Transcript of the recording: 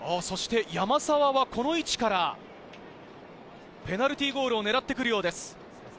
山沢はこの位置からペナルティーゴールを狙ってくるようです。